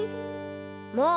もう！